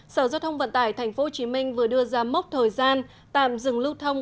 sở giao thông vận tải tp hcm vừa đưa ra mốc thời gian tạm dừng lưu thông